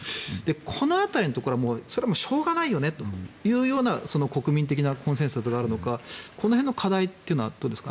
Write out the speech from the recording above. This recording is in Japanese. この辺りのところからそれもしょうがないようねというような国民的なコンセンサスがあるのかこの辺の課題というのはどうですか？